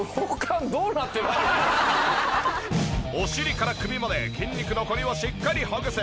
お尻から首まで筋肉のコリをしっかりほぐす。